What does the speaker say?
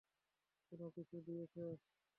কোন কিছু দিয়েছে?